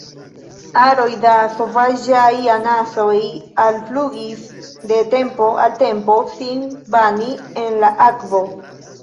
Aroj da sovaĝaj anasoj alflugis de tempo al tempo sin bani en la akvo.